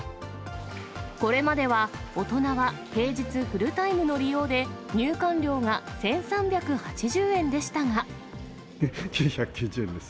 これまでは大人は平日フルタイムの利用で、入館料が１３８０円で９９０円です。